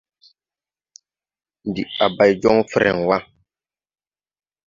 Ndi a bay jɔŋ frɛŋ wà.